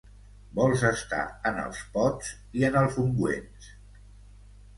Vols estar en els pots i en els ungüents.